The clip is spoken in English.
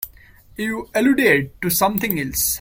You alluded to something else.